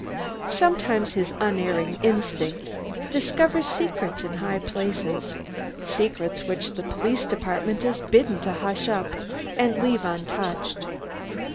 Sometimes his unerring instinct discovers secrets in high places, secrets which the Police Department is bidden to hush up and leave untouched.